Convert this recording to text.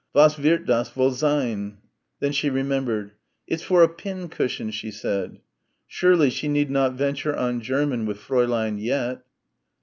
"Was wird das wohl sein?" Then she remembered. "It's for a pin cushion," she said. Surely she need not venture on German with Fräulein yet.